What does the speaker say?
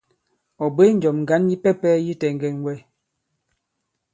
Ɔ̀ bwě njɔ̀m ŋgǎn yipɛpɛ yi tɛŋgɛn wɛ.